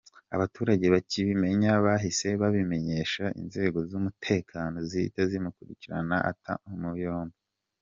Abaturage bakibimenya bahise babimenyesha inzego z’umutekano zihita zimukurikirana atabwa muri yombi.